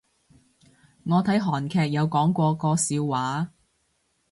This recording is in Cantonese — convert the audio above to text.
我睇韓劇有講過個笑話